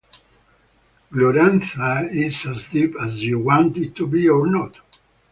Glorantha is as deep as you want it to be, or not.